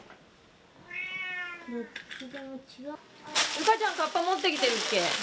琉花ちゃんかっぱ持ってきてるっけ？